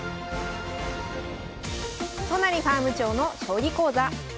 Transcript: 都成ファーム長の将棋講座。